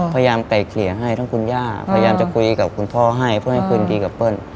ไกลเกลี่ยให้ทั้งคุณย่าพยายามจะคุยกับคุณพ่อให้เพื่อให้คืนดีกับเปิ้ล